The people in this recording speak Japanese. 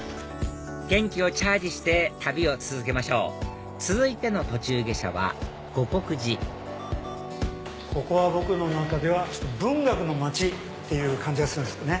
元気をチャージして旅を続けましょう続いての途中下車は護国寺ここは僕の中では文学の町っていう感じがするんですね。